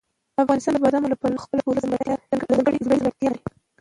افغانستان د بادامو له پلوه خپله پوره ځانګړې ځانګړتیا لري.